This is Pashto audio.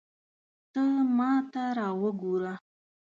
ته ماته را وګوره